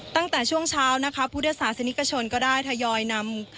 ตั้งแต่ช่วงเช้านะคะพุทธศาสนิกชนก็ได้ทยอยนำ